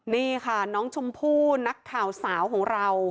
นี่ค่ะน้องชมพู่นักข่าวสาวของเรา